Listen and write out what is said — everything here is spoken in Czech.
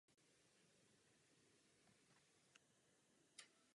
Kde je hranice mezi zdravým a nemocným?